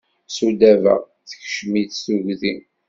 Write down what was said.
Sudaba tekcem-itt tugdi.